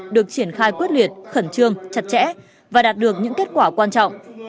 được triển khai quyết liệt khẩn trương chặt chẽ và đạt được những kết quả quan trọng